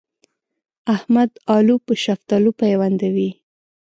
احمد الو په شفتالو پيوندوي.